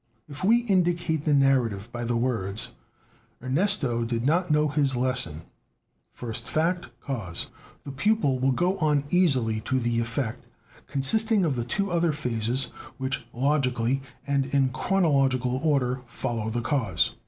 If we indicate the narrative by the words: 'Ernesto did not know his lesson' (first fact, cause), the pupil will go on easily to the effect, consisting of the two other phases which, logically and in chronological order, follow the cause.